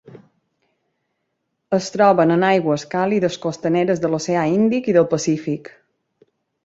Es troben en aigües càlides costaneres de l'Oceà Índic i del Pacífic.